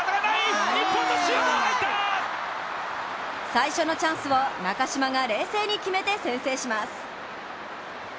最初のチャンスを中嶋が冷静に決めて先制します。